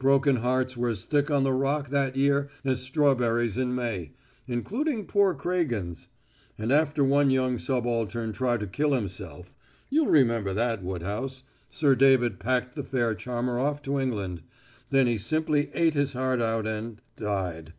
Broken hearts were as thick on the Rock that year as strawberries in May, including poor Craigen's. And after one young subaltern tried to kill himself you'll remember that, Woodhouse Sir David packed the fair charmer off to England. Then he simply ate his heart out and died."